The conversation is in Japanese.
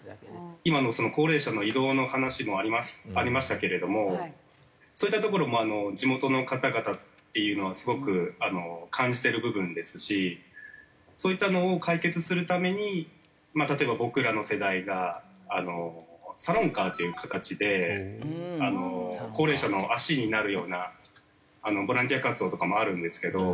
今の高齢者の移動の話もありましたけれどもそういったところも地元の方々っていうのはすごく感じてる部分ですしそういったのを解決するために例えば僕らの世代がサロンカーっていう形で高齢者の足になるようなボランティア活動とかもあるんですけど。